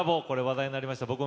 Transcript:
これ、話題になりました。